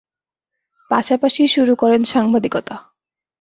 পাশাপাশি শুরু করেন সাংবাদিকতা।